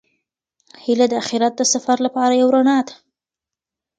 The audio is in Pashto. هیله د اخیرت د سفر لپاره یو رڼا ده.